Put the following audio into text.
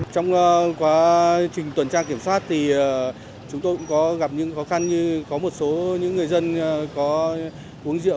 trong quá trình tuần tra kiểm soát thì chúng tôi cũng có gặp những khó khăn như có một số những người dân có uống rượu